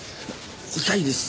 痛いです。